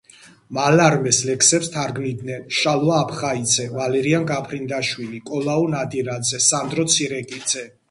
მალარმეს ლექსებს თარგმნიდნენ შალვა აფხაიძე, ვალერიან გაფრინდაშვილი, კოლაუ ნადირაძე, სანდრო ცირეკიძე.